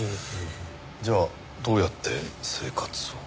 じゃあどうやって生活を？